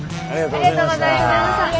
ありがとうございます。